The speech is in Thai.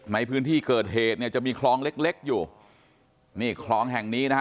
ไหมพื้นที่เกิดเหตุจะมีคลองเล็กอยู่นี่คลองแห่งนี้นะฮะ